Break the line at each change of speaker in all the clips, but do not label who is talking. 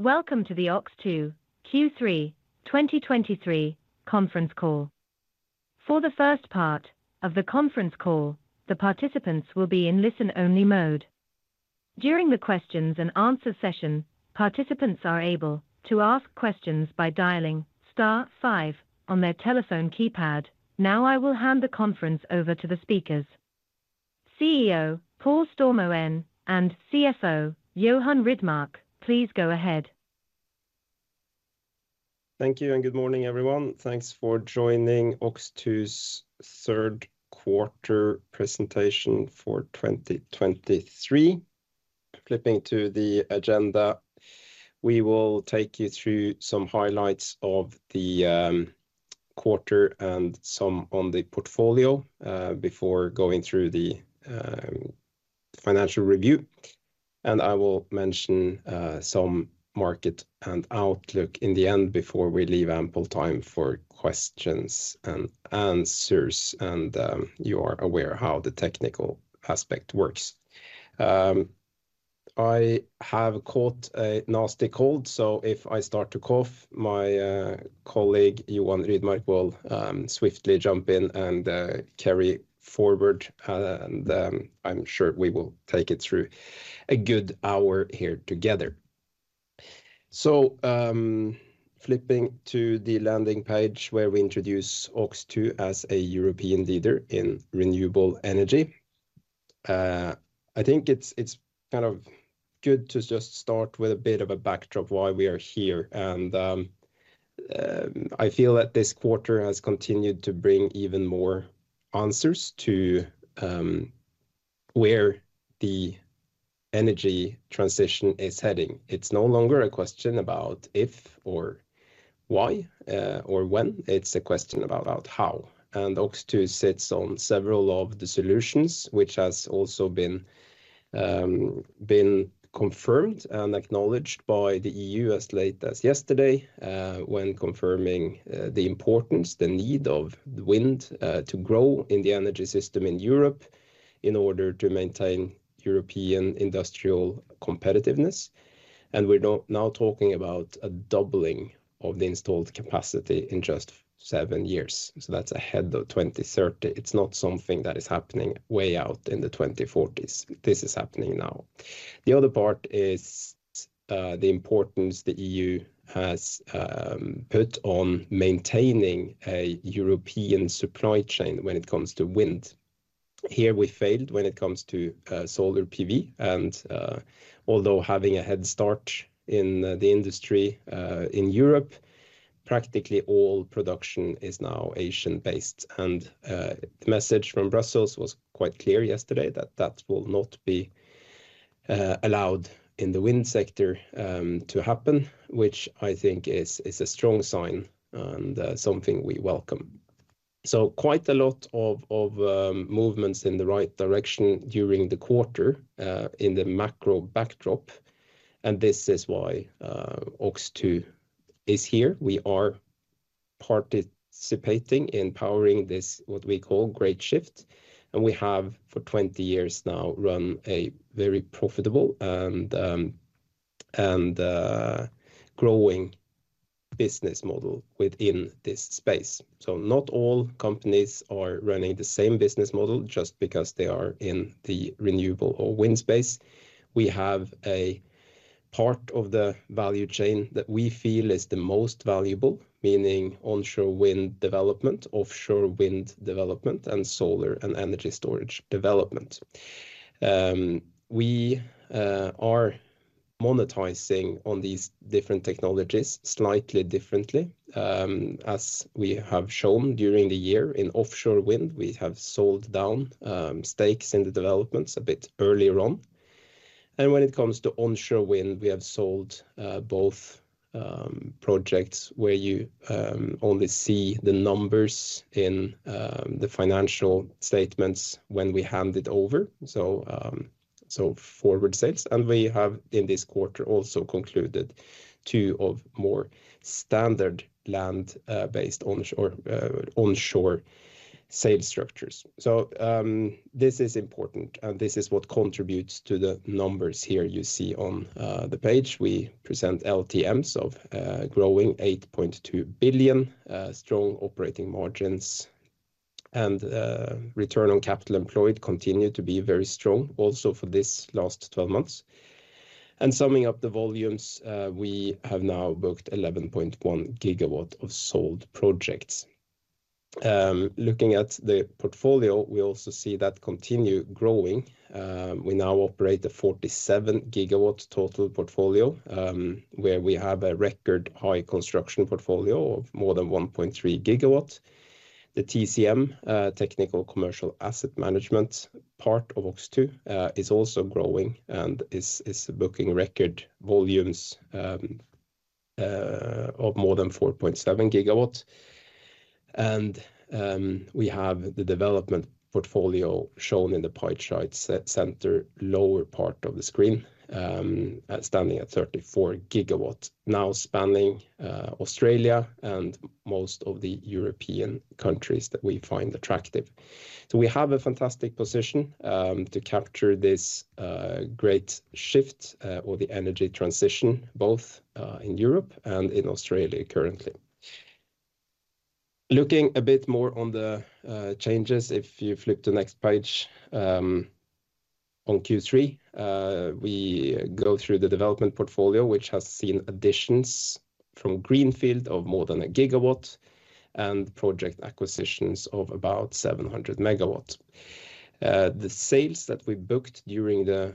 Welcome to the OX2 Q3 2023 Conference Call. For the first part of the conference call, the participants will be in listen-only mode. During the questions and answer session, participants are able to ask questions by dialing Star 5 on their telephone keypad. Now, I will hand the conference over to the speakers. CEO, Paul Stormoen, and CFO, Johan Rydmark, please go ahead.
Thank you, and good morning, everyone. Thanks for joining OX2's Q3 Presentation for 2023. Flipping to the agenda, we will take you through some highlights of the quarter and some on the portfolio before going through the financial review. I will mention some market and outlook in the end before we leave ample time for questions-and-answers, and you are aware how the technical aspect works. I have caught a nasty cold, so if I start to cough, my colleague, Johan Rydmark, will swiftly jump in and carry forward. I'm sure we will take it through a good hour here together. Flipping to the landing page where we introduce OX2 as a European leader in renewable energy. I think it's kind of good to just start with a bit of a backdrop why we are here. And I feel that this quarter has continued to bring even more answers to where the energy transition is heading. It's no longer a question about if or why, or when. It's a question about how. And OX2 sits on several of the solutions, which has also been confirmed and acknowledged by the EU as late as yesterday, when confirming the importance, the need of wind to grow in the energy system in Europe in order to maintain European industrial competitiveness. And we're now talking about a doubling of the installed capacity in just seven years, so that's ahead of 2030. It's not something that is happening way out in the 2040s. This is happening now. The other part is the importance the EU has put on maintaining a European supply chain when it comes to wind. Here we failed when it comes to solar PV, and although having a head start in the industry in Europe, practically all production is now Asian-based. The message from Brussels was quite clear yesterday that that will not be allowed in the wind sector to happen, which I think is, is a strong sign and something we welcome. Quite a lot of movements in the right direction during the quarter in the macro backdrop, and this is why OX2 is here. We are participating in powering this, what we call Great Shift, and we have, for 20 years now, run a very profitable and growing business model within this space. So not all companies are running the same business model just because they are in the renewable or wind space. We have a part of the value chain that we feel is the most valuable, meaning onshore wind development, offshore wind development, and solar and energy storage development. We are monetizing on these different technologies slightly differently, as we have shown during the year. In offshore wind, we have sold down stakes in the developments a bit earlier on. And when it comes to onshore wind, we have sold both projects where you only see the numbers in the financial statements when we hand it over, so forward sales. And we have, in this quarter, also concluded two or more standard land-based onshore sale structures. So, this is important, and this is what contributes to the numbers here you see on the page. We present LTMs of growing 8.2 billion, strong operating margins and return on capital employed continued to be very strong also for this last twelve months. Summing up the volumes, we have now booked 11.1 GW of sold projects. Looking at the portfolio, we also see that continue growing. We now operate a 47 GW total portfolio, where we have a record high construction portfolio of more than 1.3 GW. The TCM, Technical Commercial Asset Management, part of OX2, is also growing and is booking record volumes of more than 4.7 GW. We have the development portfolio shown in the pie chart set center, lower part of the screen, standing at 34 GW, now spanning Australia and most of the European countries that we find attractive. So we have a fantastic position to capture this great shift or the energy transition, both in Europe and in Australia currently. Looking a bit more on the changes, if you flip to the next page, on Q3, we go through the development portfolio, which has seen additions from greenfield of more than 1 GW and project acquisitions of about 700 MW. The sales that we booked during the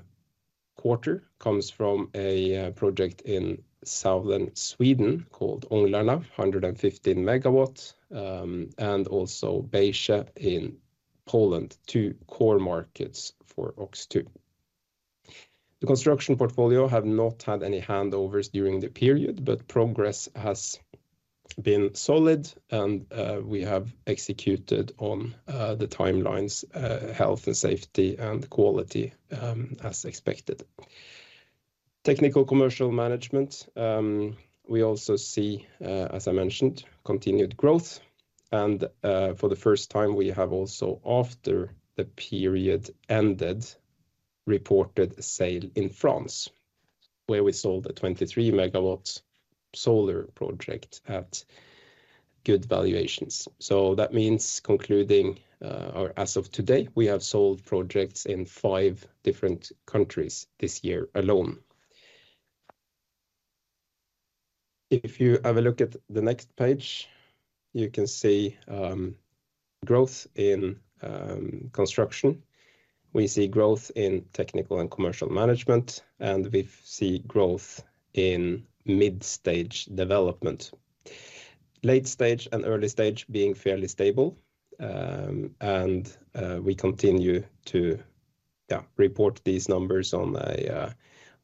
quarter comes from a project in southern Sweden called Änglarna, 115 MW, and also Bejsce in Poland, two core markets for OX2. The construction portfolio have not had any handovers during the period, but progress has been solid, and we have executed on the timelines, health and safety, and quality as expected. Technical Commercial Management we also see, as I mentioned, continued growth, and for the first time, we have also, after the period ended, reported a sale in France, where we sold a 23 MW solar project at good valuations. So that means concluding or as of today, we have sold projects in five different countries this year alone. If you have a look at the next page, you can see growth in construction. We see growth in technical and commercial management, and we see growth in mid-stage development. Late stage and early stage being fairly stable, and we continue to report these numbers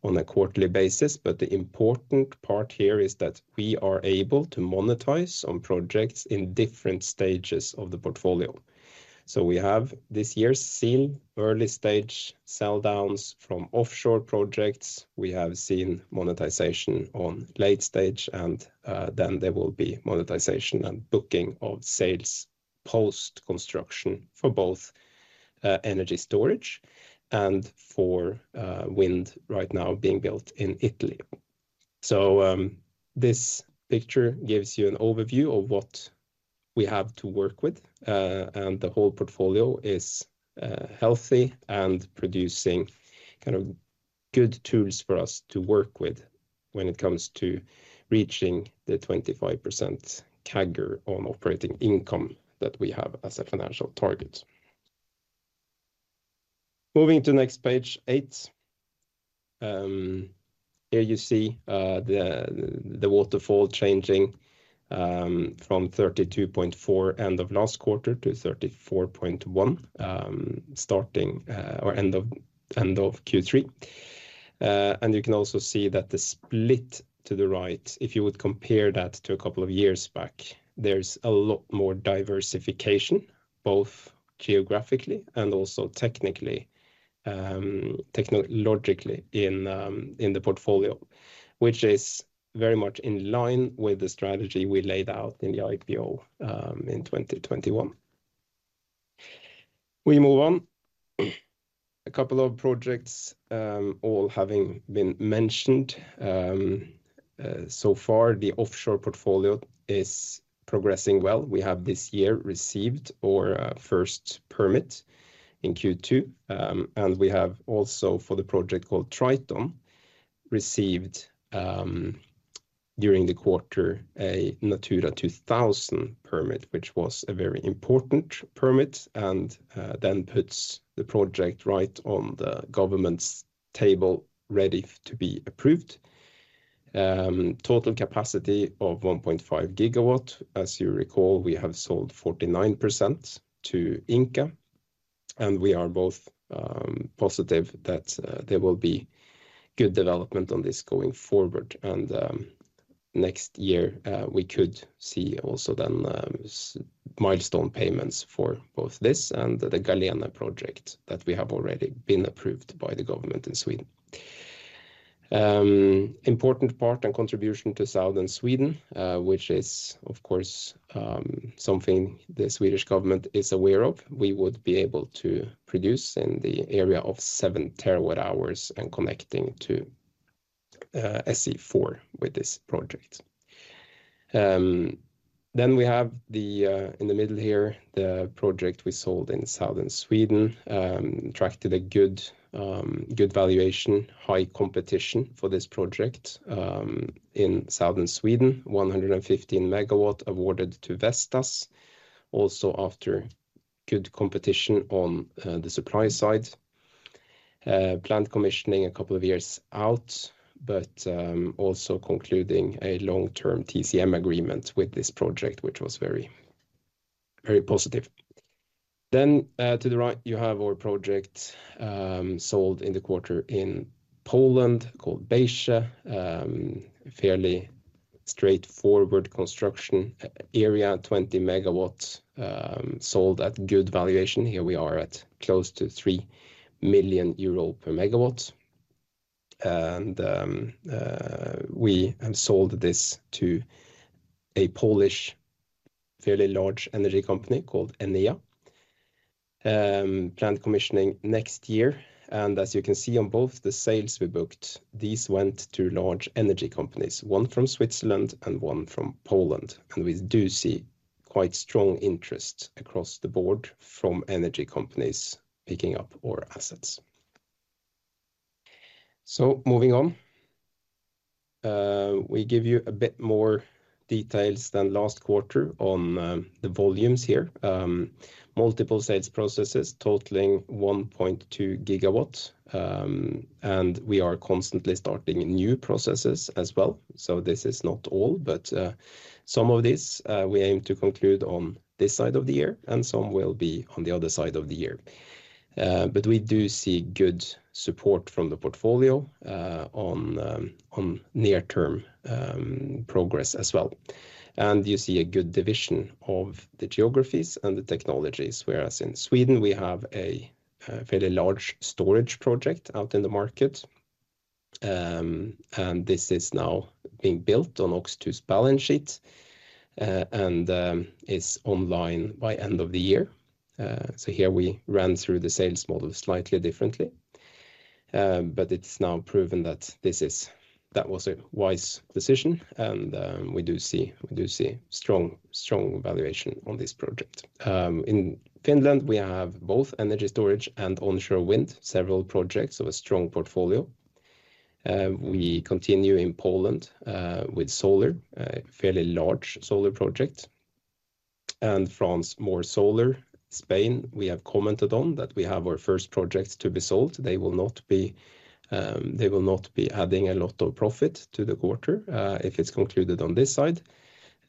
on a quarterly basis. But the important part here is that we are able to monetize on projects in different stages of the portfolio. So we have this year seen early-stage sell downs from offshore projects. We have seen monetization on late stage, and then there will be monetization and booking of sales post-construction for both energy storage and for wind right now being built in Italy. So this picture gives you an overview of what we have to work with, and the whole portfolio is healthy and producing kind of good tools for us to work with when it comes to reaching the 25% CAGR on operating income that we have as a financial target. Moving to next page 8. Here you see the waterfall changing from 32.4 end of last quarter to 34.1 end of Q3. And you can also see that the split to the right, if you would compare that to a couple of years back, there's a lot more diversification, both geographically and also technically, technologically in the portfolio, which is very much in line with the strategy we laid out in the IPO in 2021. We move on. A couple of projects, all having been mentioned. So far, the offshore portfolio is progressing well. We have this year received our first permit in Q2. And we have also, for the project called Triton, received, during the quarter, a Natura 2000 permit, which was a very important permit, and then puts the project right on the government's table, ready to be approved. Total capacity of 1.5 GW. As you recall, we have sold 49% to Ingka, and we are both positive that there will be good development on this going forward. And next year, we could see also then milestone payments for both this and the Galatea project that we have already been approved by the government in Sweden. Important part and contribution to southern Sweden, which is, of course, something the Swedish government is aware of. We would be able to produce in the area of 7 TWh and connecting to SE4 with this project. Then we have the, in the middle here, the project we sold in southern Sweden, attracted a good good valuation, high competition for this project, in southern Sweden. 115 MW awarded to Vestas. Also, after good competition on the supply side, plant commissioning a couple of years out, but also concluding a long-term TCM agreement with this project, which was very, very positive. Then, to the right, you have our project, sold in the quarter in Poland called Bejsce. Fairly straightforward construction area, 20 MW, sold at good valuation. Here we are at close to 3 million euro per MW. And, we have sold this to a Polish fairly large energy company called Enea. Plant commissioning next year. As you can see on both the sales we booked, these went to large energy companies, one from Switzerland and one from Poland, and we do see quite strong interest across the board from energy companies picking up our assets. So moving on, we give you a bit more details than last quarter on the volumes here. Multiple sales processes totaling 1.2 GW. We are constantly starting new processes as well. So this is not all, but some of this we aim to conclude on this side of the year, and some will be on the other side of the year. But we do see good support from the portfolio on near-term progress as well. You see a good division of the geographies and the technologies, whereas in Sweden, we have a fairly large storage project out in the market. This is now being built on OX2's balance sheet and is online by end of the year. So here we ran through the sales model slightly differently, but it's now proven that that was a wise decision, and we do see, we do see strong, strong valuation on this project. In Finland, we have both energy storage and onshore wind, several projects, so a strong portfolio. We continue in Poland with solar, a fairly large solar project, and France, more solar. Spain, we have commented on, that we have our first projects to be sold. They will not be, they will not be adding a lot of profit to the quarter, if it's concluded on this side.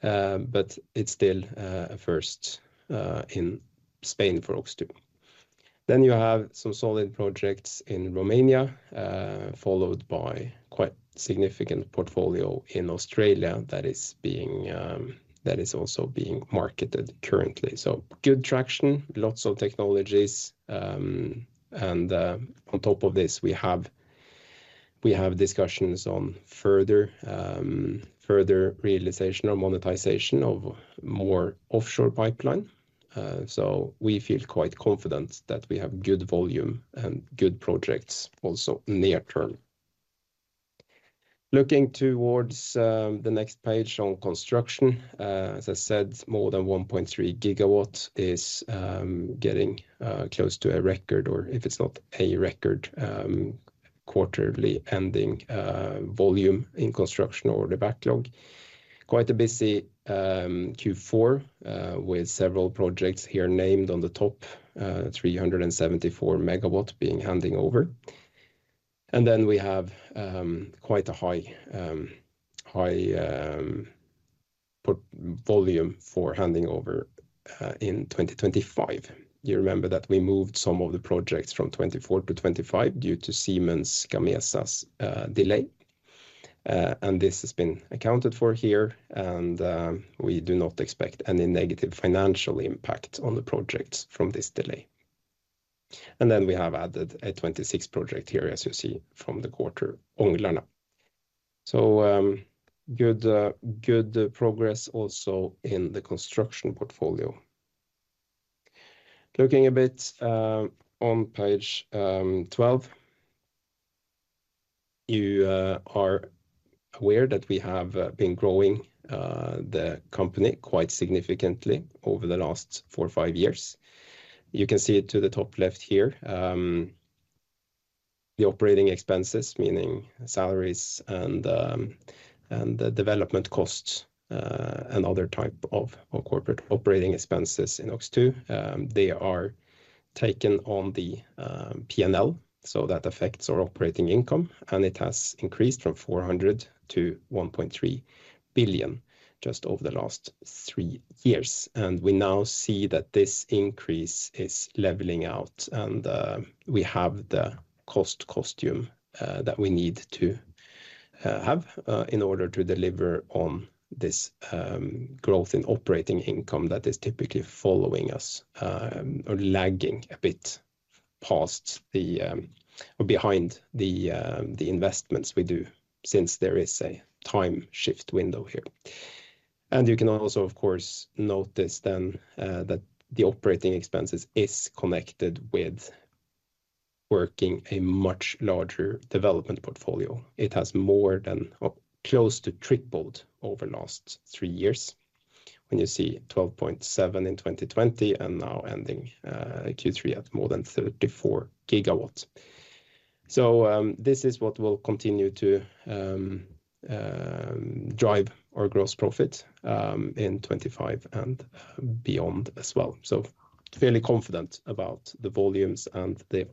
But it's still, a first, in Spain for OX2. Then you have some solid projects in Romania, followed by quite significant portfolio in Australia that is being, that is also being marketed currently. So good traction, lots of technologies, and, on top of this, we have, we have discussions on further, further realization or monetization of more offshore pipeline. So we feel quite confident that we have good volume and good projects, also near term. Looking towards, the next page on construction, as I said, more than 1.3 gigawatts is, getting, close to a record, or if it's not a record, quarterly ending, volume in construction or the backlog. Quite a busy Q4 with several projects here named on the top, 374 MW being handed over. And then we have quite a high volume for handing over in 2025. You remember that we moved some of the projects from 2024 to 2025 due to Siemens Gamesa's delay, and this has been accounted for here, and we do not expect any negative financial impact on the projects from this delay. And then we have added a 2026 project here, as you see from the quarter, Änglarna. So, good progress also in the construction portfolio. Looking a bit on page 12. You are aware that we have been growing the company quite significantly over the last four, five years. You can see it to the top left here. The operating expenses, meaning salaries and the development costs, and other type of corporate operating expenses in OX2, they are taken on the P&L, so that affects our operating income, and it has increased from 400 million to 1.3 billion just over the last three years. We now see that this increase is leveling out, and we have the cost structure that we need to have in order to deliver on this growth in operating income that is typically following us or lagging a bit behind the investments we do, since there is a time shift window here. You can also, of course, notice then, that the operating expenses is connected with working a much larger development portfolio. It has more than, or close to tripled over the last three years. When you see 12.7 in 2020 and now ending Q3 at more than 34 GW. So, this is what will continue to drive our gross profit in 25 and beyond as well. So fairly confident about the volumes and the,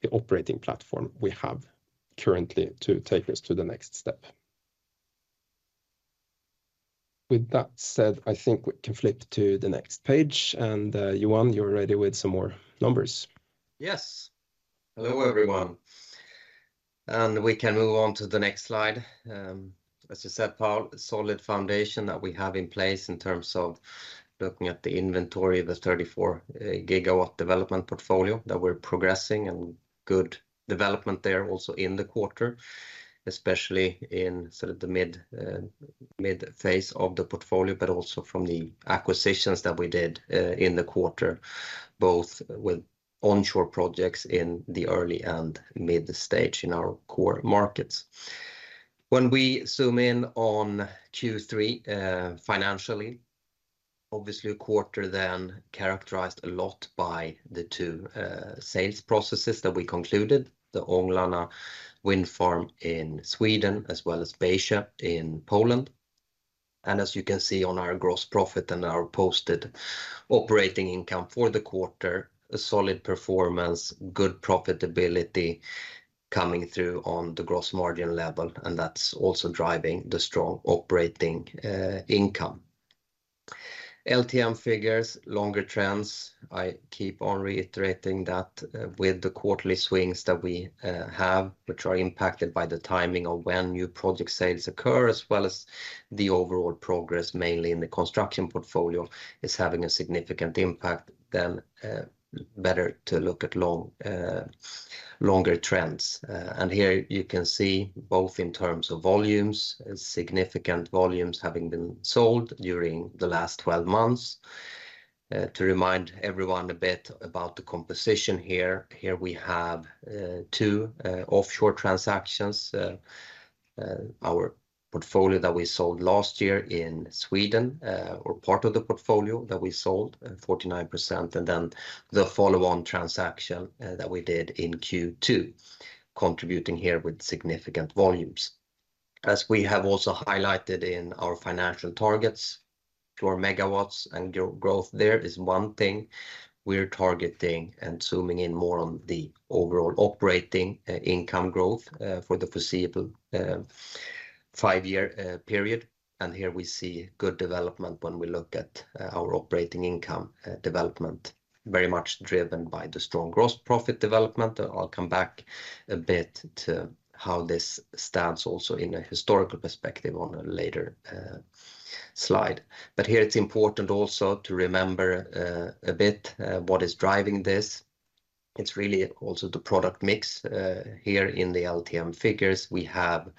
the operating platform we have currently to take us to the next step. With that said, I think we can flip to the next page, and Johan, you're ready with some more numbers?
Yes. Hello, everyone. We can move on to the next slide. As you said, Paul, solid foundation that we have in place in terms of looking at the inventory of the 34-gigawatt development portfolio that we're progressing and good development there also in the quarter, especially in sort of the mid, mid-phase of the portfolio, but also from the acquisitions that we did in the quarter, both with onshore projects in the early and mid stage in our core markets. When we zoom in on Q3, financially, obviously a quarter then characterized a lot by the two sales processes that we concluded, the Änglarna wind farm in Sweden, as well as Bejsce in Poland. As you can see on our gross profit and our posted operating income for the quarter, a solid performance, good profitability coming through on the gross margin level, and that's also driving the strong operating income. LTM figures, longer trends, I keep on reiterating that with the quarterly swings that we have, which are impacted by the timing of when new project sales occur, as well as the overall progress, mainly in the construction portfolio, is having a significant impact, then better to look at long longer trends. And here you can see both in terms of volumes, significant volumes having been sold during the last 12 months. To remind everyone a bit about the composition here, here we have 2 offshore transactions. Our portfolio that we sold last year in Sweden, or part of the portfolio that we sold, 49%, and then the follow-on transaction that we did in Q2, contributing here with significant volumes. As we have also highlighted in our financial targets, pure megawatts and growth there is one thing we're targeting and zooming in more on the overall operating income growth for the foreseeable five-year period. And here we see good development when we look at our operating income development, very much driven by the strong gross profit development. I'll come back a bit to how this stands also in a historical perspective on a later slide. But here it's important also to remember a bit what is driving this. It's really also the product mix. Here in the LTM figures, we have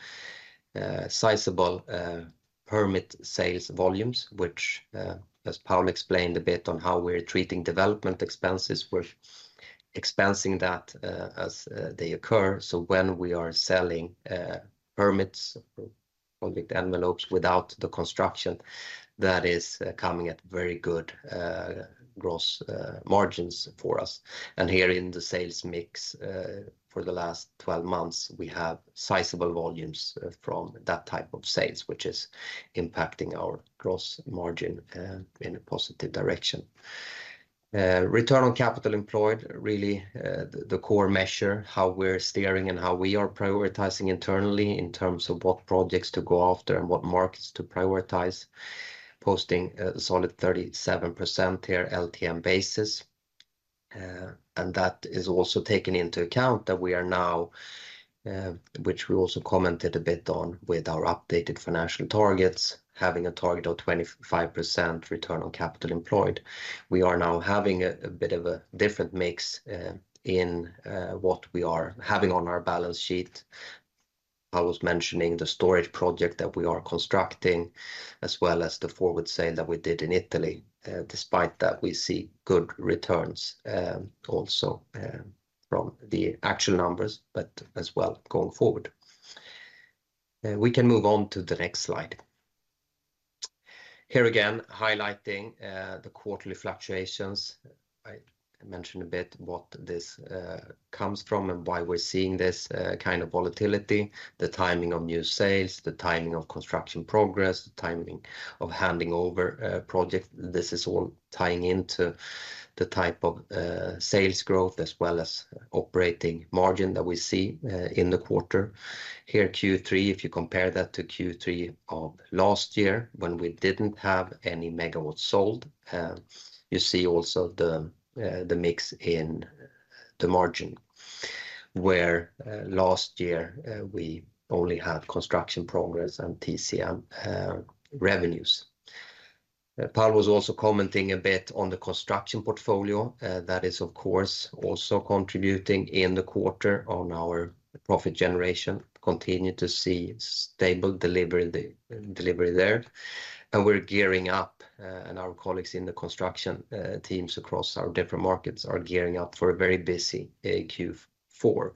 sizable permit sales volumes, which, as Paul explained, a bit on how we're treating development expenses. We're expensing that as they occur. So when we are selling permits, project envelopes without the construction, that is coming at very good gross margins for us. And here in the sales mix for the last 12 months, we have sizable volumes from that type of sales, which is impacting our gross margin in a positive direction. Return on capital employed, really the core measure, how we're steering and how we are prioritizing internally in terms of what projects to go after and what markets to prioritize. Posting a solid 37% here, LTM basis. And that is also taken into account that we are now, which we also commented a bit on with our updated financial targets, having a target of 25% return on capital employed. We are now having a bit of a different mix in what we are having on our balance sheet. I was mentioning the storage project that we are constructing, as well as the forward sale that we did in Italy. Despite that, we see good returns also from the actual numbers, but as well, going forward. We can move on to the next slide. Here again, highlighting the quarterly fluctuations. I mentioned a bit what this comes from and why we're seeing this kind of volatility, the timing of new sales, the timing of construction progress, the timing of handing over project. This is all tying into the type of sales growth as well as operating margin that we see in the quarter. Here, Q3, if you compare that to Q3 of last year, when we didn't have any megawatts sold, you see also the mix in the margin, where last year we only had construction progress and TCM revenues. Paul was also commenting a bit on the construction portfolio. That is, of course, also contributing in the quarter on our profit generation, continue to see stable delivery, the delivery there. And we're gearing up, and our colleagues in the construction teams across our different markets are gearing up for a very busy Q4,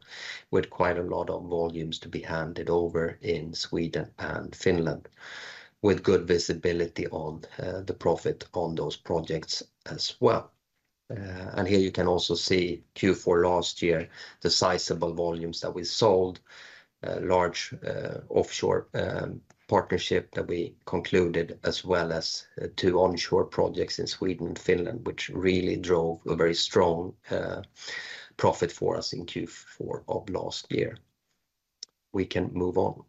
with quite a lot of volumes to be handed over in Sweden and Finland, with good visibility on the profit on those projects as well. And here you can also see Q4 last year, the sizable volumes that we sold, a large offshore partnership that we concluded, as well as two onshore projects in Sweden and Finland, which really drove a very strong profit for us in Q4 of last year. We can move on.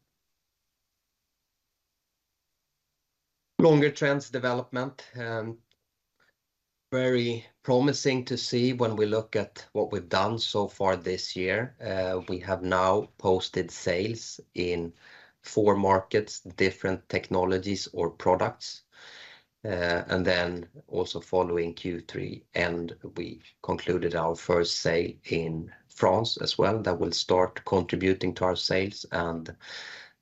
Longer trends development, very promising to see when we look at what we've done so far this year. We have now posted sales in four markets, different technologies or products. And then also following Q3, and we concluded our first sale in France as well, that will start contributing to our sales and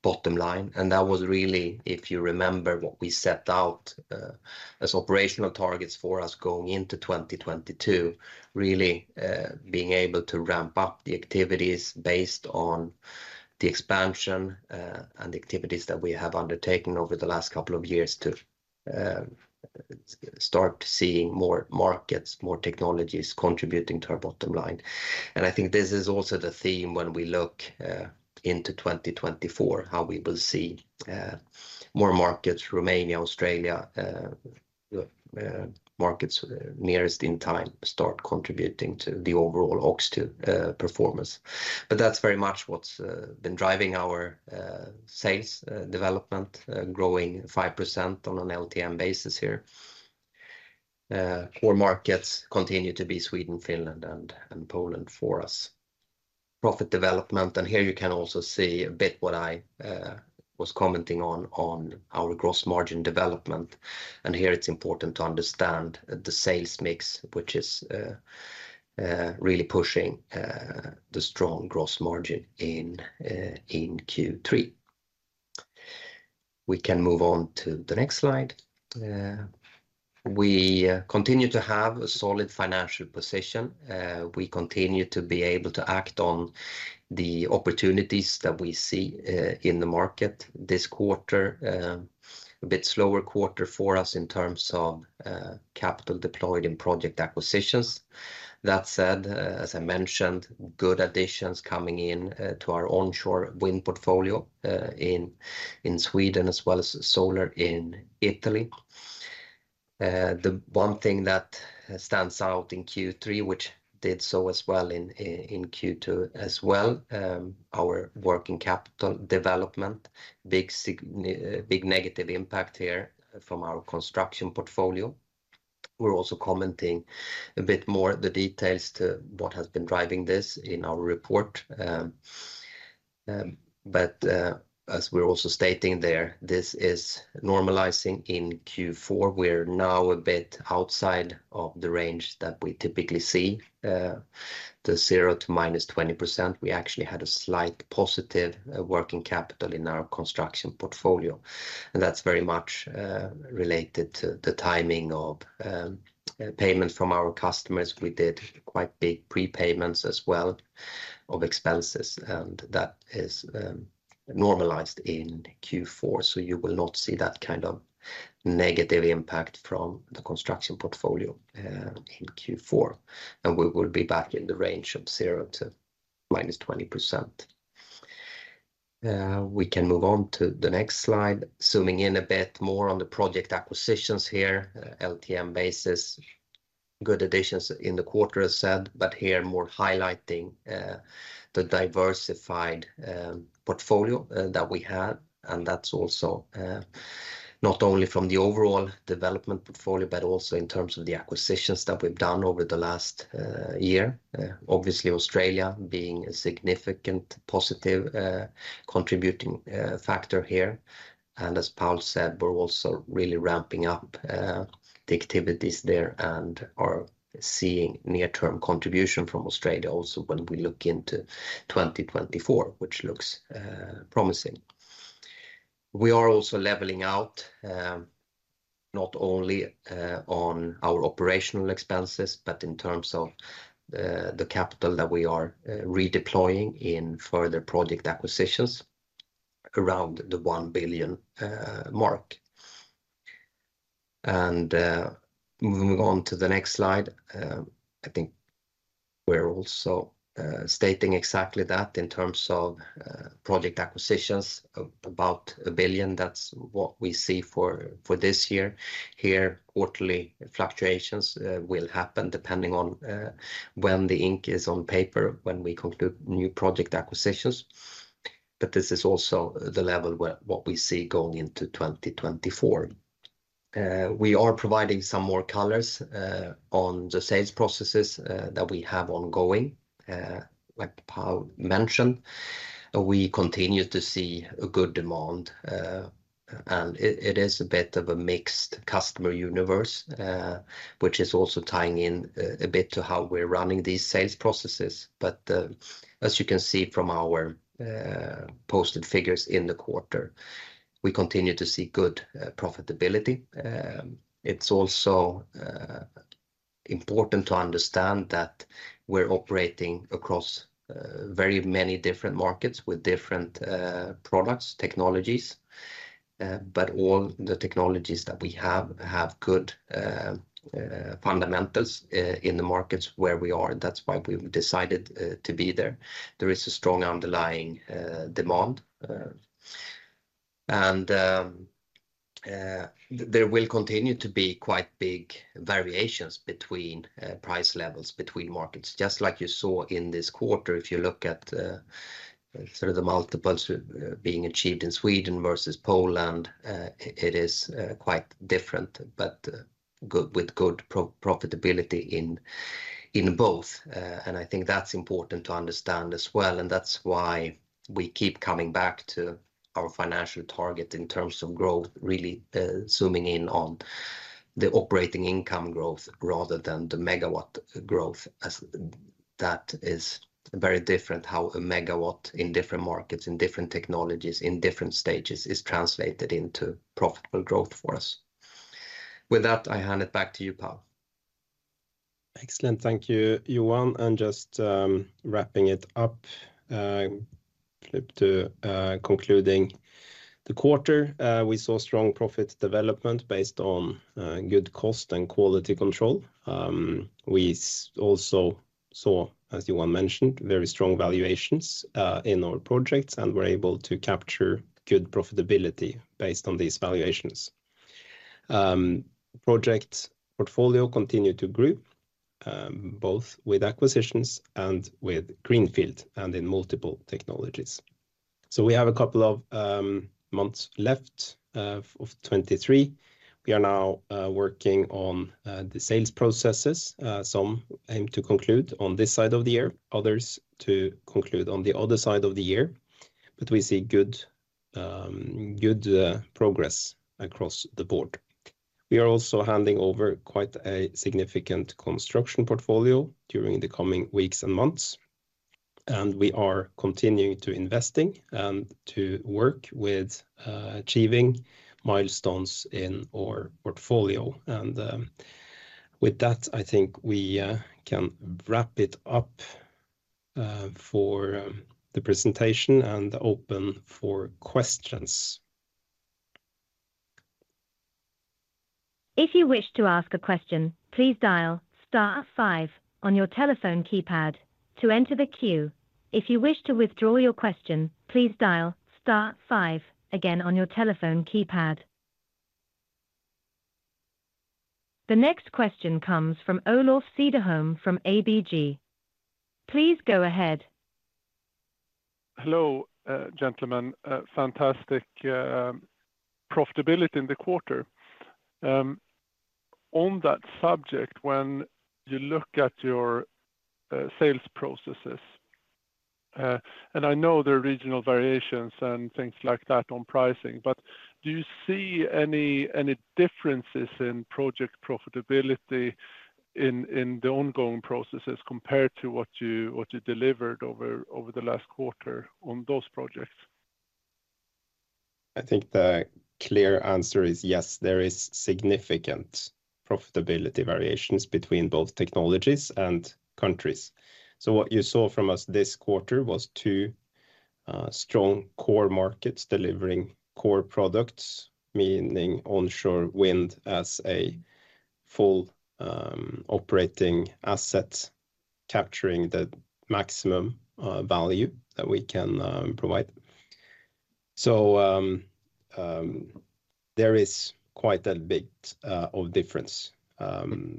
bottom line. And that was really, if you remember, what we set out as operational targets for us going into 2022, really, being able to ramp up the activities based on the expansion and the activities that we have undertaken over the last couple of years to start seeing more markets, more technologies contributing to our bottom line. And I think this is also the theme when we look into 2024, how we will see more markets, Romania, Australia, markets nearest in time start contributing to the overall OX2 performance. But that's very much what's been driving our sales development, growing 5% on an LTM basis here. Core markets continue to be Sweden, Finland, and Poland for us. Profit development, and here you can also see a bit what I was commenting on, on our gross margin development. And here it's important to understand the sales mix, which is really pushing the strong gross margin in Q3. We can move on to the next slide. We continue to have a solid financial position. We continue to be able to act on the opportunities that we see in the market this quarter. A bit slower quarter for us in terms of capital deployed in project acquisitions. That said, as I mentioned, good additions coming in to our onshore wind portfolio in Sweden, as well as solar in Italy. The one thing that stands out in Q3, which did so as well in Q2 as well, our working capital development, big negative impact here from our construction portfolio. We're also commenting a bit more the details to what has been driving this in our report. But as we're also stating there, this is normalizing in Q4. We're now a bit outside of the range that we typically see, the 0% to -20%. We actually had a slight positive working capital in our construction portfolio, and that's very much related to the timing of payments from our customers. We did quite big prepayments as well of expenses, and that is normalized in Q4, so you will not see that kind of negative impact from the construction portfolio in Q4. We will be back in the range of 0 to -20%. We can move on to the next slide, zooming in a bit more on the project acquisitions here, LTM basis. Good additions in the quarter, as said, but here more highlighting the diversified portfolio that we had. That's also not only from the overall development portfolio, but also in terms of the acquisitions that we've done over the last year. Obviously, Australia being a significant positive contributing factor here. As Paul said, we're also really ramping up the activities there and are seeing near-term contribution from Australia also when we look into 2024, which looks promising. We are also leveling out, not only on our operational expenses, but in terms of the capital that we are redeploying in further project acquisitions around the SEK 1 billion mark. And moving on to the next slide, I think we're also stating exactly that in terms of project acquisitions, about 1 billion. That's what we see for this year. Here, quarterly fluctuations will happen depending on when the ink is on paper, when we conclude new project acquisitions, but this is also the level where what we see going into 2024. We are providing some more colors on the sales processes that we have ongoing. Like Paul mentioned, we continue to see a good demand, and it is a bit of a mixed customer universe, which is also tying in a bit to how we're running these sales processes. But, as you can see from our posted figures in the quarter, we continue to see good profitability. It's also important to understand that we're operating across very many different markets with different products, technologies. But all the technologies that we have have good fundamentals in the markets where we are. That's why we've decided to be there. There is a strong underlying demand. And, there will continue to be quite big variations between price levels between markets, just like you saw in this quarter. If you look at sort of the multiples being achieved in Sweden versus Poland, it is quite different, but good profitability in both. And I think that's important to understand as well, and that's why we keep coming back to our financial target in terms of growth, really zooming in on the operating income growth rather than the megawatt growth, as that is very different, how a megawatt in different markets, in different technologies, in different stages, is translated into profitable growth for us. With that, I hand it back to you, Paul.
Excellent. Thank you, Johan, and just wrapping it up. Flip to concluding the quarter. We saw strong profit development based on good cost and quality control. We also saw, as Johan mentioned, very strong valuations in our projects, and we're able to capture good profitability based on these valuations. Project portfolio continued to grow both with acquisitions and with greenfield and in multiple technologies. So we have a couple of months left of 2023. We are now working on the sales processes. Some aim to conclude on this side of the year, others to conclude on the other side of the year. But we see good good progress across the board. We are also handing over quite a significant construction portfolio during the coming weeks and months, and we are continuing to investing and to work with achieving milestones in our portfolio. With that, I think we can wrap it up for the presentation and open for questions.
If you wish to ask a question, please dial Star 5 on your telephone keypad to enter the queue. If you wish to withdraw your question, please dial Star 5 again on your telephone keypad. The next question comes from Olof Cederholm, from ABG. Please go ahead.
Hello, gentlemen. Fantastic profitability in the quarter. On that subject, when you look at your sales processes, and I know there are regional variations and things like that on pricing, but do you see any differences in project profitability in the ongoing processes compared to what you delivered over the last quarter on those projects?
I think the clear answer is yes, there is significant profitability variations between both technologies and countries. So what you saw from us this quarter was 2 strong core markets delivering core products, meaning onshore wind as a full operating asset, capturing the maximum value that we can provide. So there is quite a bit of difference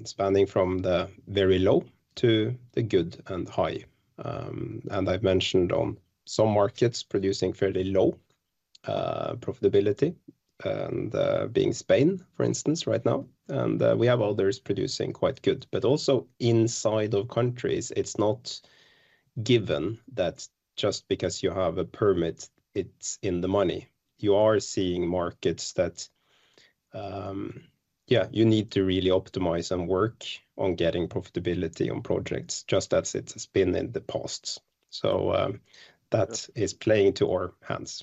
spanning from the very low to the good and high. I've mentioned on some markets producing fairly low profitability and being Spain, for instance, right now, and we have others producing quite good. But also inside of countries, it's not given that just because you have a permit, it's in the money. You are seeing markets that, yeah, you need to really optimize and work on getting profitability on projects, just as it's been in the past. That is playing to our hands.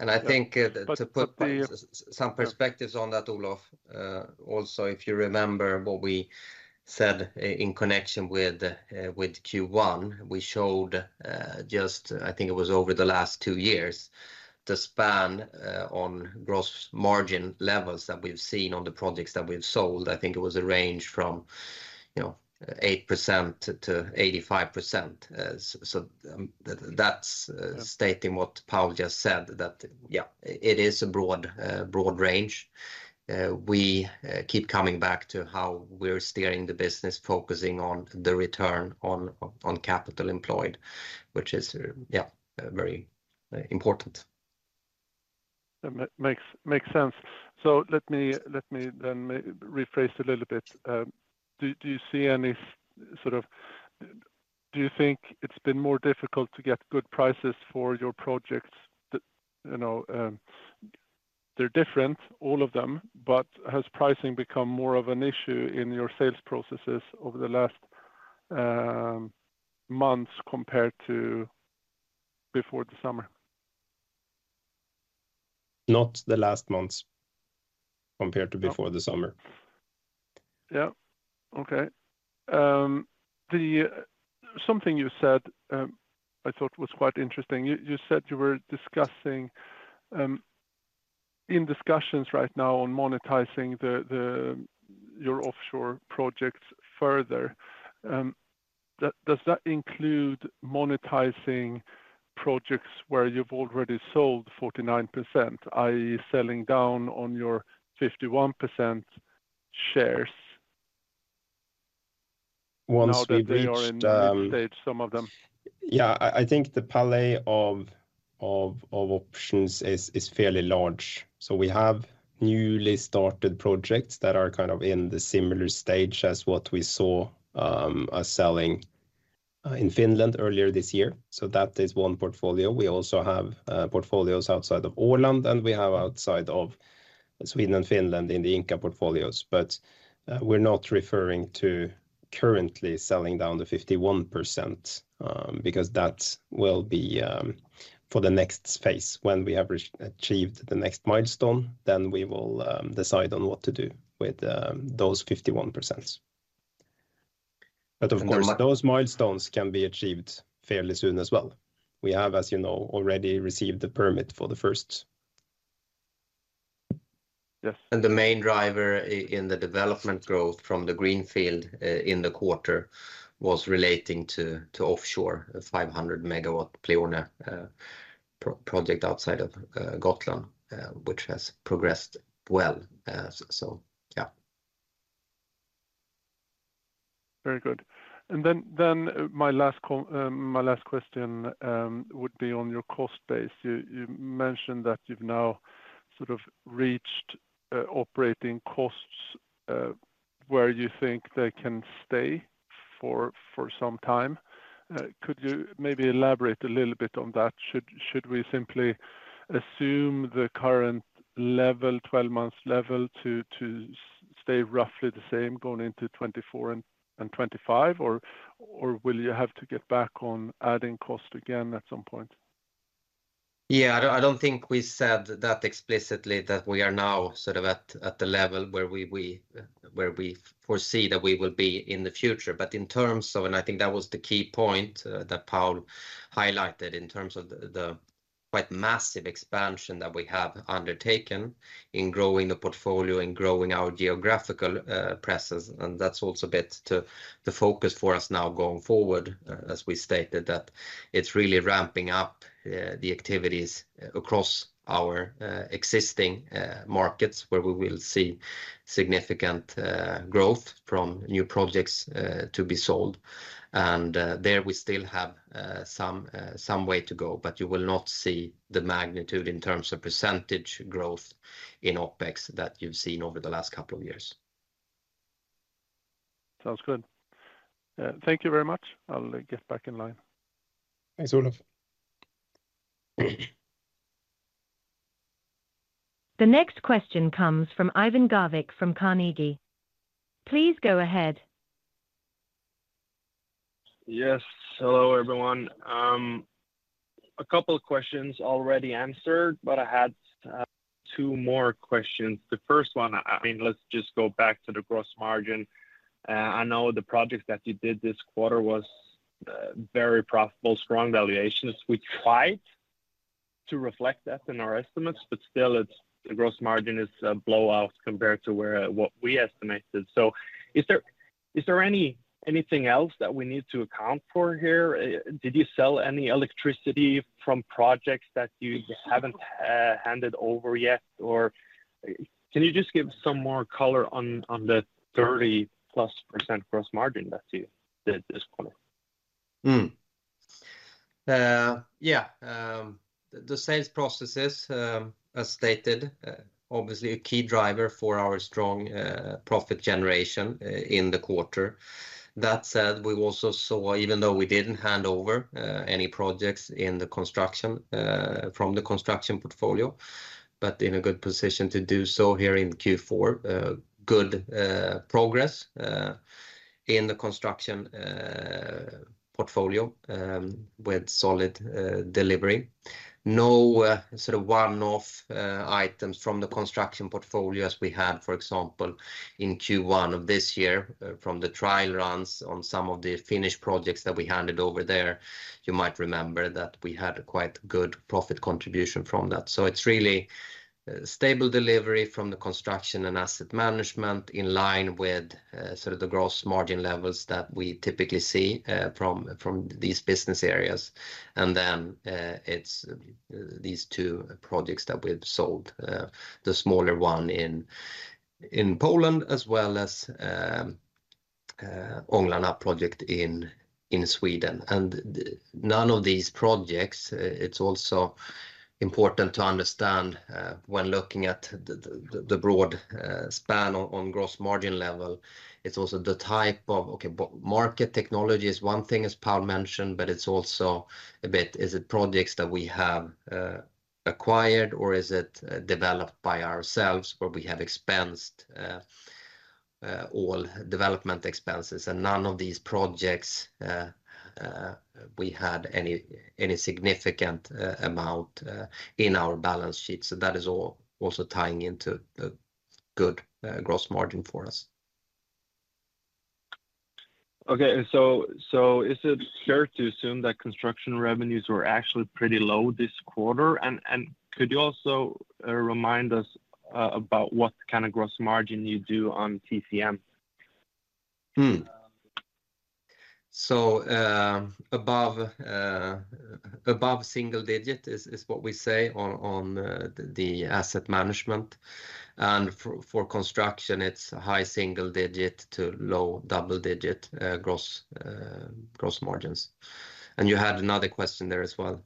I think, to put-
But the-
Some perspectives on that, Olof, also, if you remember what we said in connection with Q1, we showed just I think it was over the last two years, the span on gross margin levels that we've seen on the projects that we've sold. I think it was a range from, you know, 8%-85%. So that's stating what Paul just said, that yeah, it is a broad range. We keep coming back to how we're steering the business, focusing on the return on capital employed, which is yeah, very important.
That makes sense. So let me then rephrase a little bit. Do you see any sort of. Do you think it's been more difficult to get good prices for your projects that, you know, they're different, all of them, but has pricing become more of an issue in your sales processes over the last months compared to before the summer?
Not the last months compared to before the summer.
Yeah. Okay. Something you said, I thought was quite interesting. You said you were discussing in discussions right now on monetizing your offshore projects further. Does that include monetizing projects where you've already sold 49%, i.e., selling down on your 51% shares?
Once we reached,
Now that they are in mid-stage, some of them.
Yeah, I think the palette of options is fairly large. So we have newly started projects that are kind of in the similar stage as what we saw as selling in Finland earlier this year. So that is one portfolio. We also have portfolios outside of Åland, and we have outside of Sweden and Finland in the Ingka portfolios. But we're not referring to currently selling down to 51%, because that will be for the next phase. When we have re-achieved the next milestone, then we will decide on what to do with those 51%s. But of course, those milestones can be achieved fairly soon as well. We have, as you know, already received the permit for the first.
Yes.
The main driver in the development growth from the greenfield in the quarter was relating to offshore, a 500 MW Pleione project outside of Gotland, which has progressed well, so yeah.
Very good. And then my last question would be on your cost base. You mentioned that you've now sort of reached operating costs where you think they can stay for some time. Could you maybe elaborate a little bit on that? Should we simply assume the current level, 12 months level, to stay roughly the same going into 2024 and 2025? Or will you have to get back on adding cost again at some point?
Yeah, I don't think we said that explicitly, that we are now sort of at the level where we foresee that we will be in the future. But in terms of, and I think that was the key point that Paul highlighted in terms of the quite massive expansion that we have undertaken in growing the portfolio and growing our geographical presence, and that's also a bit to the focus for us now going forward, as we stated, that it's really ramping up the activities across our existing markets, where we will see significant growth from new projects to be sold. There we still have some way to go, but you will not see the magnitude in terms of percentage growth in OpEx that you've seen over the last couple of years.
Sounds good. Thank you very much. I'll get back in line.
Thanks, Olaf.
The next question comes from Eivind Garvik from Carnegie. Please go ahead.
Yes. Hello, everyone. A couple of questions already answered, but I had two more questions. The first one, I mean, let's just go back to the gross margin. I know the project that you did this quarter was very profitable, strong valuations. We tried to reflect that in our estimates, but still, it's the gross margin is a blowout compared to what we estimated. So is there anything else that we need to account for here? Did you sell any electricity from projects that you haven't handed over yet? Or can you just give some more color on the 30%+ gross margin that you did this quarter?
Yeah. The sales processes, as stated, obviously a key driver for our strong profit generation in the quarter. That said, we also saw, even though we didn't hand over any projects in the construction from the construction portfolio, but in a good position to do so here in Q4, good progress in the construction portfolio, with solid delivery. No sort of one-off items from the construction portfolio as we had, for example, in Q1 of this year, from the trial runs on some of the finished projects that we handed over there. You might remember that we had a quite good profit contribution from that. So it's really stable delivery from the construction and asset management in line with sort of the gross margin levels that we typically see from these business areas. And then it's these two projects that we've sold the smaller one in Poland as well as the Änglarna project in Sweden. And none of these projects it's also important to understand when looking at the broad span on gross margin level it's also the type of okay market technology is one thing as Paul mentioned but it's also a bit is it projects that we have acquired or is it developed by ourselves where we have expensed all development expenses? And none of these projects we had any significant amount in our balance sheet. That is all also tying into a good gross margin for us.
Okay, so is it fair to assume that construction revenues were actually pretty low this quarter? And could you also remind us about what kind of gross margin you do on TCM?
So, above single digit is what we say on the asset management. And for construction, it's high single digit to low double digit gross margins. And you had another question there as well.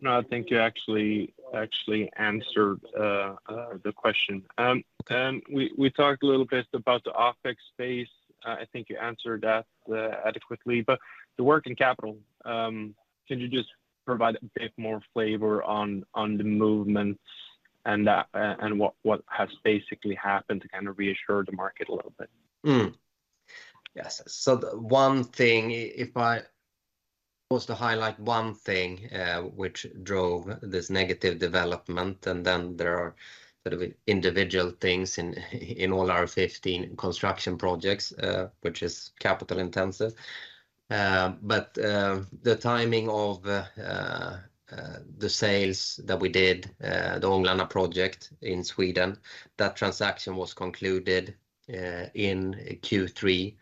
No, I think you actually answered the question. We talked a little bit about the OpEx space. I think you answered that adequately, but the working capital, could you just provide a bit more flavor on the movements and what has basically happened to kind of reassure the market a little bit?
Yes. So one thing, if I was to highlight one thing, which drove this negative development, and then there are sort of individual things in all our 15 construction projects, which is capital intensive. But, the timing of the sales that we did, the Änglarna project in Sweden, that transaction was concluded in Q3.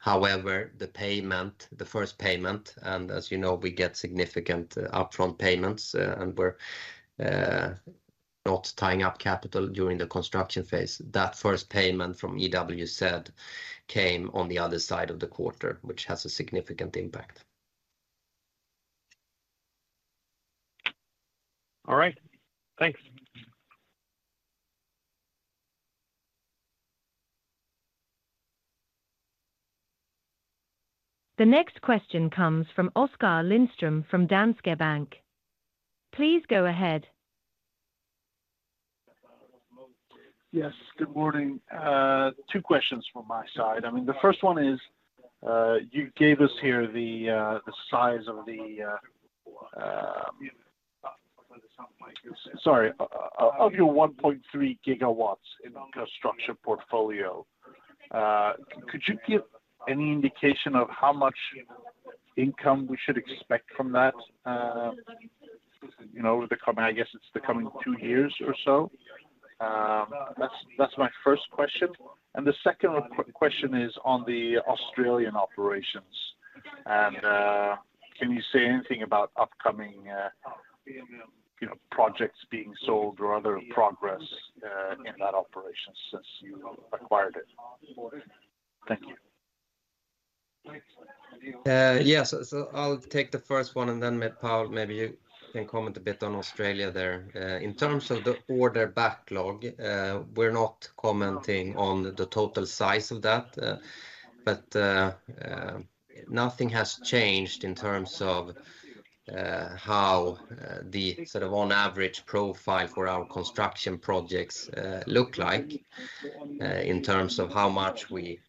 However, the payment, the first payment, and as you know, we get significant upfront payments, and we're not tying up capital during the construction phase. That first payment from EWZ came on the other side of the quarter, which has a significant impact.
All right. Thanks.
The next question comes from Oskar Lindström, from Danske Bank. Please go ahead.
Yes, good morning. Two questions from my side. I mean, the first one is, you gave us here the size of your 1.3 GW in construction portfolio. Could you give any indication of how much income we should expect from that, you know, over the coming, I guess, it's the coming 2 years or so? That's my first question. And the second question is on the Australian operations, and can you say anything about upcoming, you know, projects being sold or other progress in that operation since you acquired it? Thank you.
Yes, so I'll take the first one, and then Paul, maybe you can comment a bit on Australia there. In terms of the order backlog, we're not commenting on the total size of that, but nothing has changed in terms of how the sort of on average profile for our construction projects look like, in terms of how much we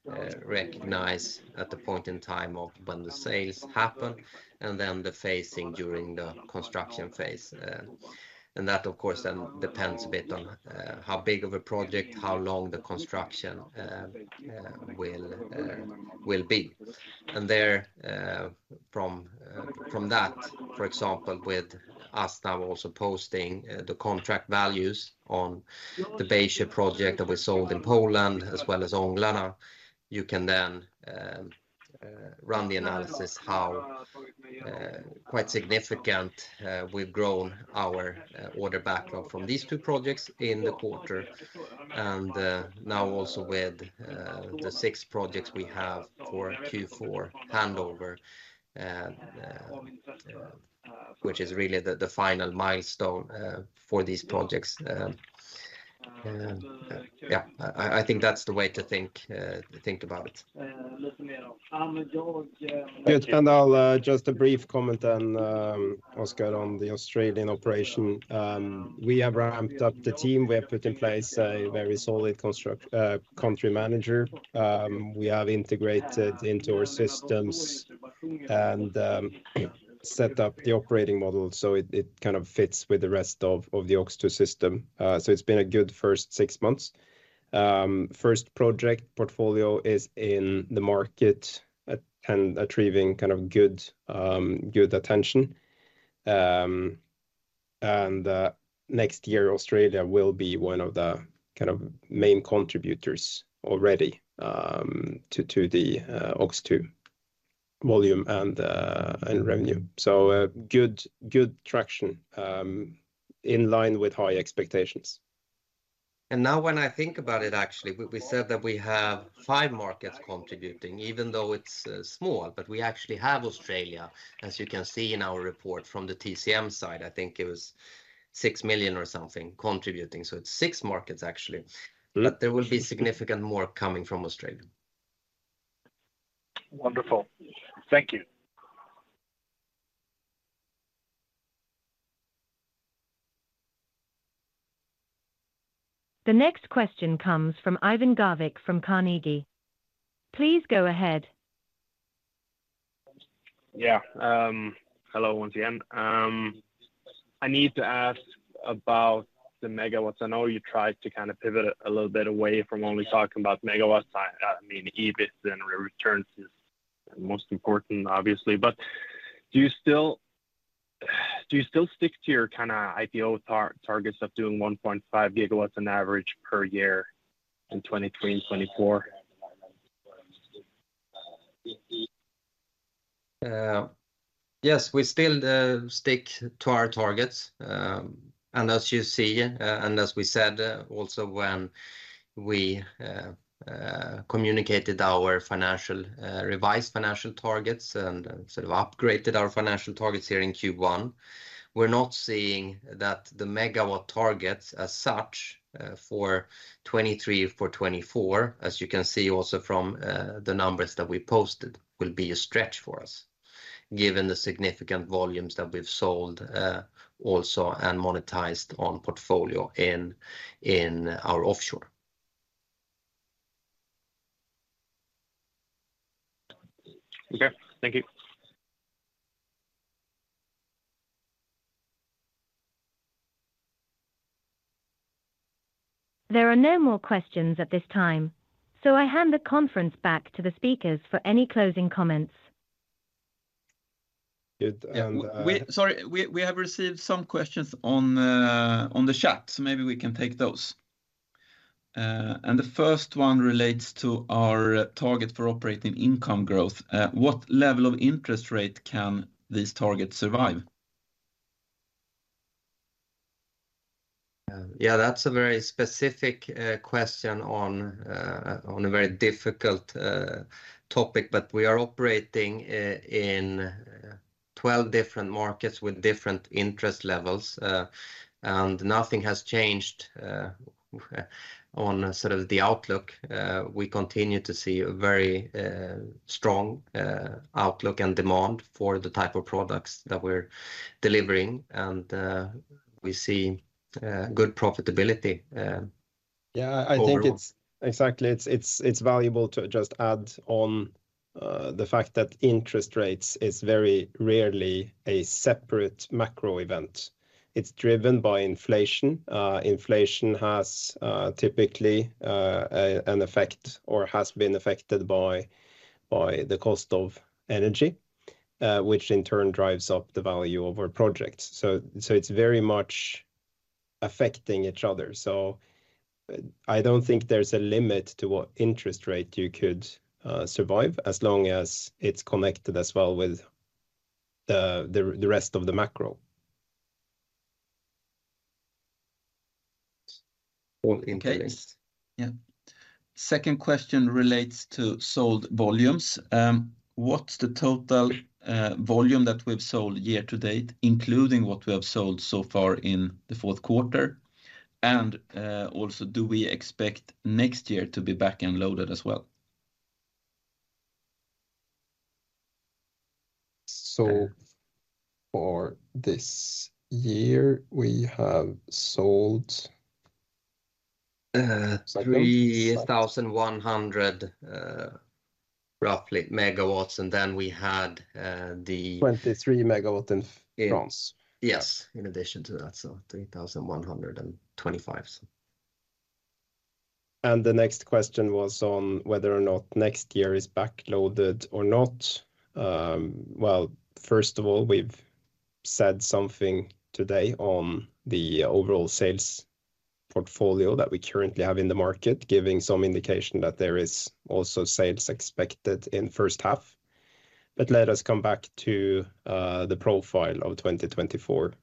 recognize at the point in time of when the sales happen, and then the phasing during the construction phase. And that, of course, then depends a bit on how big of a project, how long the construction will be. And there, from that, for example, with Vestas also posting the contract values on the Bejsce project that we sold in Poland as well as Änglarna, you can then run the analysis of how quite significant we've grown our order backlog from these 2 projects in the quarter. Now also with the 6 projects we have for Q4 handover, which is really the final milestone for these projects. Yeah, I think that's the way to think about it.
Good, and I'll just a brief comment on Oscar, on the Australian operation. We have ramped up the team. We have put in place a very solid construct, country manager. We have integrated into our systems and set up the operating model, so it, it kind of fits with the rest of, of the OX2 system. So it's been a good first six months. First project portfolio is in the market and achieving kind of good, good attention. And next year, Australia will be one of the kind of main contributors already, to, to the OX2 volume and, and revenue. So good, good traction, in line with high expectations.
Now when I think about it, actually, we, we said that we have five markets contributing, even though it's small, but we actually have Australia, as you can see in our report from the TCM side. I think it was 6 million or something contributing, so it's six markets, actually. But there will be significant more coming from Australia.
Wonderful. Thank you.
The next question comes from Eivind Garvik from Carnegie. Please go ahead.
Yeah. Hello, once again. I need to ask about the megawatts. I know you tried to kind of pivot it a little bit away from only talking about megawatts. I, I mean, EBIT and returns is most important, obviously. But do you still, do you still stick to your kind of IPO targets of doing 1.5 GW on average per year in 2023 and 2024?
Yes, we still stick to our targets. And as you see, and as we said, also when we communicated our financial revised financial targets and sort of upgraded our financial targets here in Q1, we're not seeing that the megawatt targets as such, for 2023, for 2024, as you can see also from the numbers that we posted, will be a stretch for us, given the significant volumes that we've sold, also and monetized on portfolio in, in our offshore.
Okay. Thank you.
There are no more questions at this time, so I hand the conference back to the speakers for any closing comments.
Good, and-
Sorry, we have received some questions on the chat, so maybe we can take those. The first one relates to our target for operating income growth. What level of interest rate can these targets survive?
Yeah, that's a very specific question on a very difficult topic, but we are operating in 12 different markets with different interest levels. Nothing has changed on sort of the outlook. We continue to see a very strong outlook and demand for the type of products that we're delivering, and we see good profitability.
Yeah, I think it's exactly. It's valuable to just add on the fact that interest rates is very rarely a separate macro event. It's driven by inflation. Inflation has typically an effect or has been affected by the cost of energy, which in turn drives up the value of our projects. So it's very much affecting each other. So I don't think there's a limit to what interest rate you could survive, as long as it's connected as well with the rest of the macro.
All interlinked.
Yeah. Second question relates to sold volumes. What's the total volume that we've sold year to date, including what we have sold so far in the Q4? And also, do we expect next year to be back and loaded as well?
So for this year, we have sold roughly 3,100 MW, and then we had the-
23 MW in France.
Yes
In addition to that, so 3,125.
The next question was on whether or not next year is backloaded or not.
Well, first of all, we've said something today on the overall sales portfolio that we currently have in the market, giving some indication that there is also sales expected in first half. But let us come back to the profile of 2024,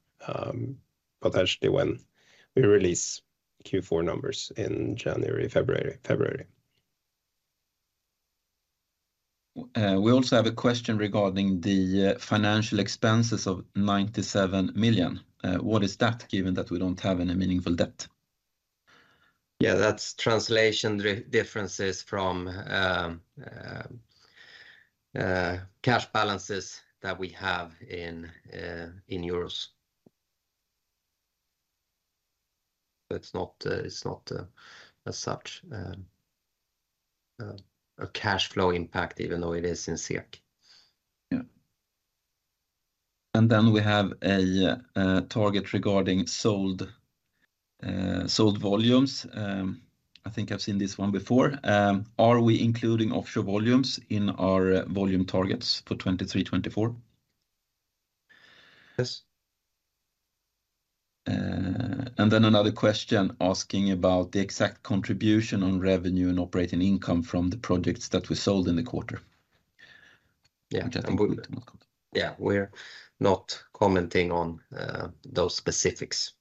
potentially when we release Q4 numbers in January, February, February.
We also have a question regarding the financial expenses of 97 million. What is that, given that we don't have any meaningful debt?
Yeah, that's translation differences from cash balances that we have in euros. But it's not, it's not, as such, a cash flow impact, even though it is in SEK.
Yeah. And then we have a target regarding sold, sold volumes. I think I've seen this one before. Are we including offshore volumes in our volume targets for 2023, 2024?
Yes.
And then another question asking about the exact contribution on revenue and operating income from the projects that we sold in the quarter.
Yeah.
And we'll-
Yeah, we're not commenting on those specifics.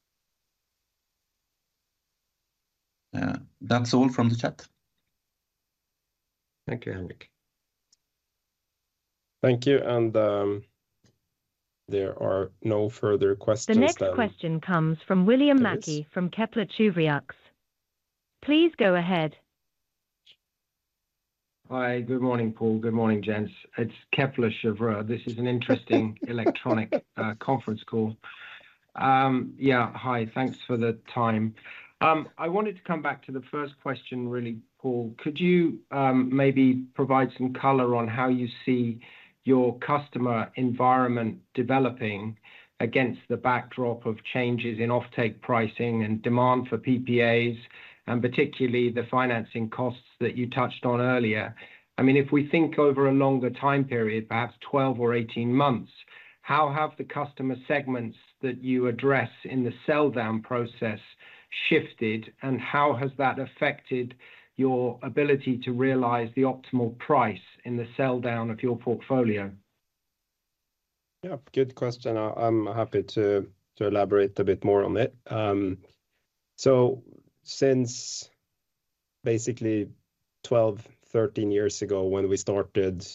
That's all from the chat.
Thank you, Henrik.
Thank you, and there are no further questions then-
The next question comes from William Mackie, from Kepler Cheuvreux. Please go ahead.
Hi, good morning, Paul. Good morning, gents. It's Kepler Cheuvreux. This is an electronic conference call. Yeah, hi. Thanks for the time. I wanted to come back to the first question, really, Paul. Could you, maybe provide some color on how you see your customer environment developing against the backdrop of changes in offtake pricing and demand for PPAs, and particularly the financing costs that you touched on earlier? I mean, if we think over a longer time period, perhaps 12 or 18 months, how have the customer segments that you address in the sell-down process shifted, and how has that affected your ability to realize the optimal price in the sell-down of your portfolio?
Yeah, good question. I'm happy to elaborate a bit more on it. So since basically 12-13 years ago, when we started,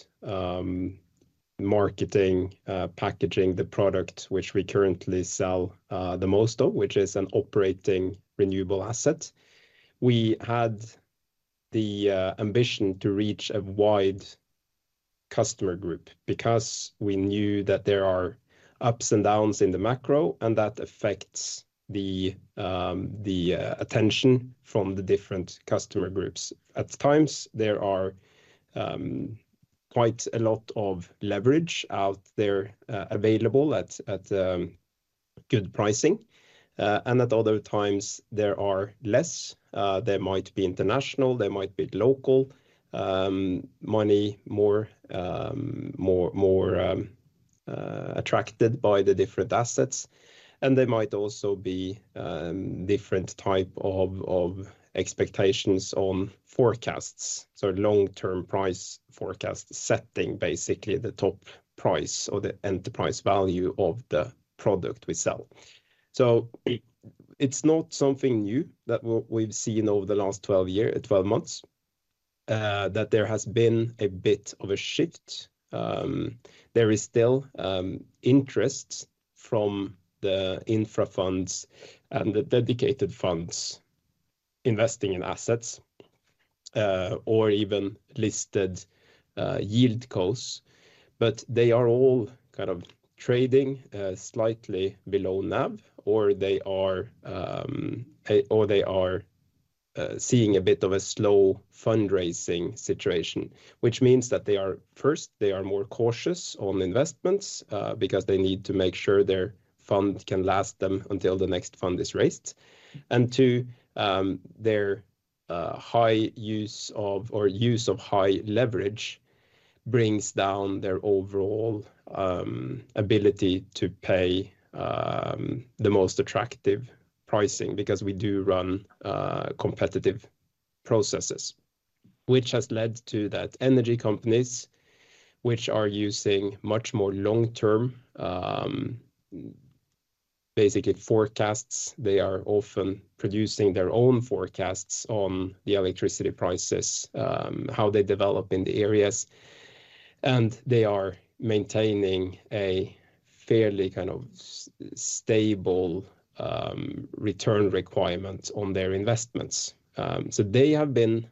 marketing, packaging the product, which we currently sell the most of, which is an operating renewable asset, we had the ambition to reach a wide customer group because we knew that there are ups and downs in the macro, and that affects the attention from the different customer groups. At times, there are quite a lot of leverage out there, available at good pricing, and at other times, there are less. They might be international, they might be local, money more attracted by the different assets, and they might also be different type of expectations on forecasts. So long-term price forecast, setting basically the top price or the enterprise value of the product we sell. So it's not something new that we've seen over the last 12 months that there has been a bit of a shift. There is still interest from the infra funds and the dedicated funds investing in assets or even listed YieldCos, but they are all kind of trading slightly below NAV, or they are seeing a bit of a slow fundraising situation, which means that they are—First, they are more cautious on investments because they need to make sure their fund can last them until the next fund is raised. And two, their high use of high leverage brings down their overall ability to pay the most attractive pricing, because we do run competitive processes, which has led to that energy companies, which are using much more long-term, basically forecasts. They are often producing their own forecasts on the electricity prices, how they develop in the areas, and they are maintaining a fairly kind of stable return requirement on their investments. So they have been,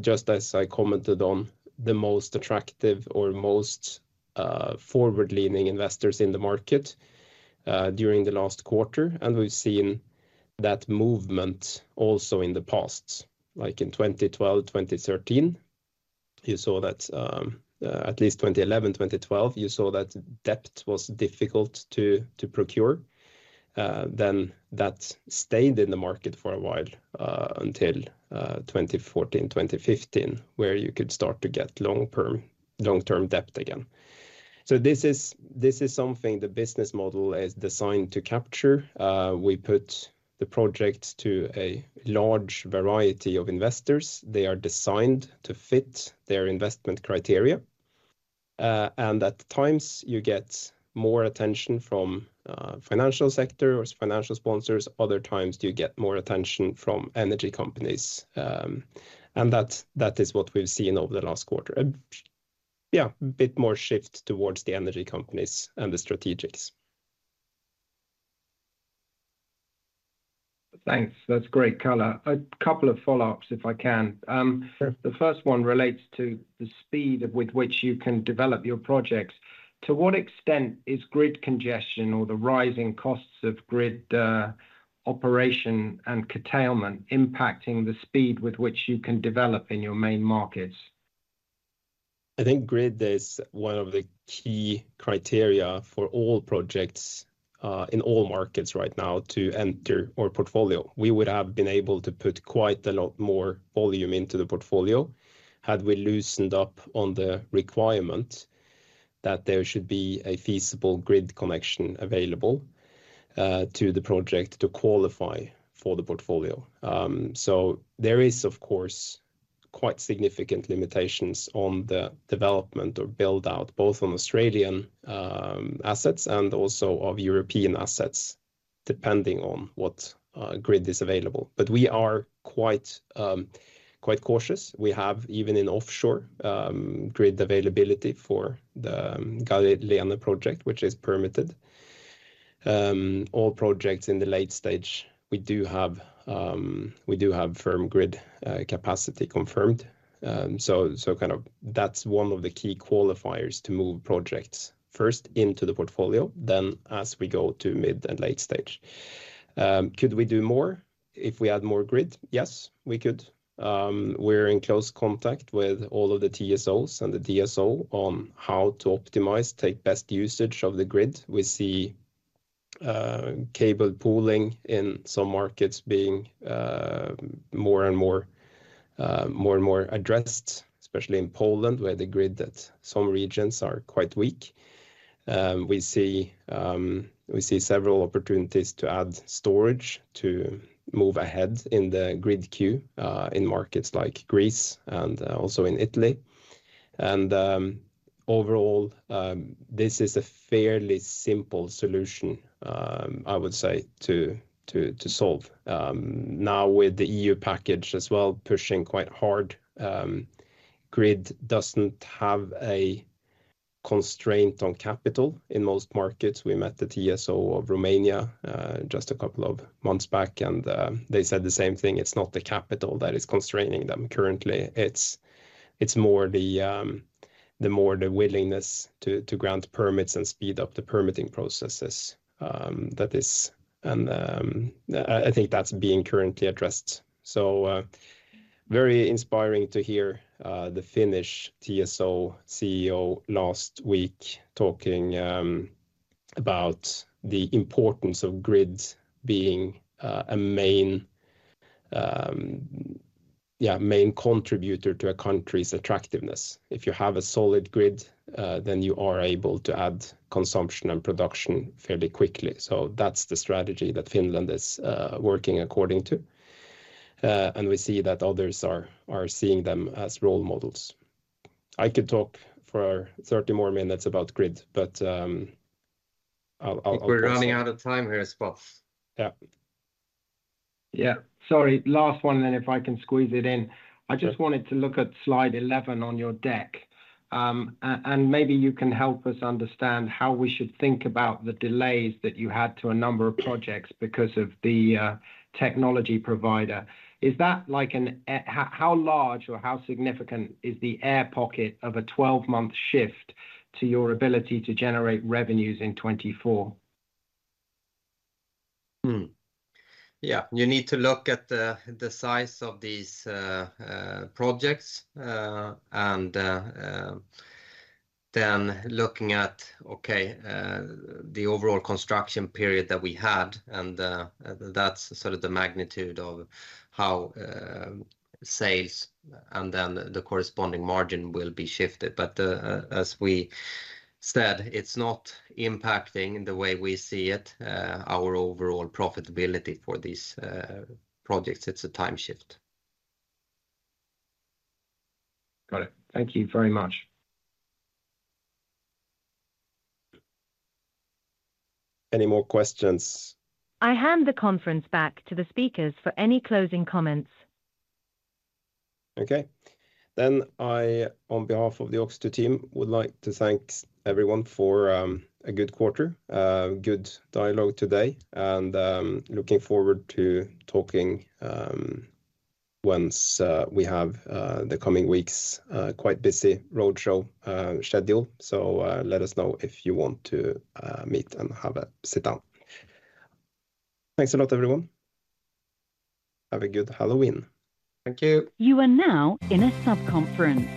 just as I commented on, the most attractive or most forward-leaning Investors in the market during the last quarter, and we've seen that movement also in the past, like in 2012, 2013. You saw that, at least 2011, 2012, you saw that debt was difficult to procure. Then that stayed in the market for a while, until 2014, 2015, where you could start to get long-term, long-term debt again. So this is, this is something the business model is designed to capture. We put the project to a large variety of Investors. They are designed to fit their investment criteria. And at times, you get more attention from financial sector or financial sponsors. Other times, you get more attention from energy companies, and that, that is what we've seen over the last quarter. And yeah, a bit more shift towards the energy companies and the strategics.
Thanks. That's great color. A couple of follow-ups, if I can?
Sure.
The first one relates to the speed with which you can develop your projects. To what extent is grid congestion or the rising costs of grid operation and curtailment impacting the speed with which you can develop in your main markets?
I think grid is one of the key criteria for all projects, in all markets right now to enter our portfolio. We would have been able to put quite a lot more volume into the portfolio, had we loosened up on the requirement that there should be a feasible grid connection available, to the project to qualify for the portfolio. So there is, of course, quite significant limitations on the development or build-out, both on Australian assets and also of European assets, depending on what grid is available. But we are quite, quite cautious. We have, even in offshore, grid availability for the Galatea project, which is permitted. All projects in the late stage, we do have, we do have firm grid capacity confirmed. So kind of that's one of the key qualifiers to move projects first into the portfolio, then as we go to mid and late stage. Could we do more? If we add more grid, yes, we could. We're in close contact with all of the TSOs and the DSO on how to optimize, take best usage of the grid. We see cable pooling in some markets being more and more addressed, especially in Poland, where the grid that some regions are quite weak. We see several opportunities to add storage to move ahead in the grid queue in markets like Greece and also in Italy. Overall, this is a fairly simple solution, I would say, to solve. Now with the EU package as well, pushing quite hard, grid doesn't have a constraint on capital in most markets. We met the TSO of Romania just a couple of months back, and they said the same thing. It's not the capital that is constraining them currently. It's more the willingness to grant permits and speed up the permitting processes that is. I think that's being currently addressed. So, very inspiring to hear the Finnish TSO CEO last week talking about the importance of grids being a main contributor to a country's attractiveness. If you have a solid grid, then you are able to add consumption and production fairly quickly. So that's the strategy that Finland is working according to. We see that others are seeing them as role models. I could talk for 30 more minutes about grid, but I'll-
We're running out of time here, folks.
Yeah.
Yeah. Sorry, last one, and if I can squeeze it in.
Yeah.
I just wanted to look at slide 11 on your deck. And maybe you can help us understand how we should think about the delays that you had to a number of projects because of the technology provider. Is that like how large or how significant is the air pocket of a 12-month shift to your ability to generate revenues in 2024?
Hmm.
Yeah, you need to look at the size of these projects, and then looking at the overall construction period that we had, and that's sort of the magnitude of how sales and then the corresponding margin will be shifted. But as we said, it's not impacting the way we see it, our overall profitability for these projects. It's a time shift.
Got it. Thank you very much.
Any more questions?
I hand the conference back to the speakers for any closing comments.
Okay. Then I, on behalf of the OX2 team, would like to thank everyone for a good quarter, a good dialogue today, and looking forward to talking once we have the coming weeks, quite busy roadshow schedule. So let us know if you want to meet and have a sit down. Thanks a lot, everyone. Have a good Halloween.
Thank you.
You are now in a sub-conference.